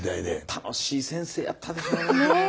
楽しい先生やったでしょうね。